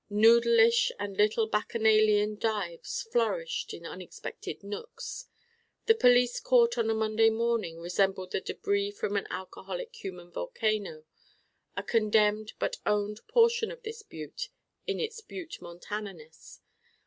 Noodle ish and little bacchanalian dives flourished in unexpected nooks. The police court on a Monday morning resembled the debris from an alcoholic human volcano, a condemned but owned portion of this Butte in its Butte Montana ness.